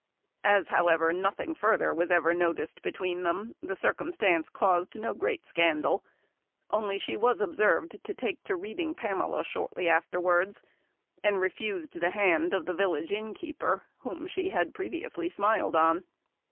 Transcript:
As, however, nothing further was ever noticed between them, the circumstance caused no great scandal; only she was observed to take to reading Pamela shortly afterwards, and refused the hand of the village innkeeper, whom she had previously smiled on.